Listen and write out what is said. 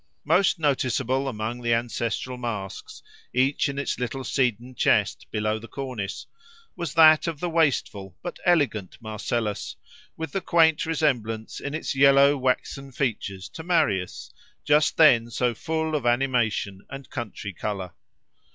Most noticeable among the ancestral masks, each in its little cedarn chest below the cornice, was that of the wasteful but elegant Marcellus, with the quaint resemblance in its yellow waxen features to Marius, just then so full of animation and country colour.